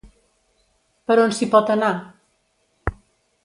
Per on s'hi pot anar?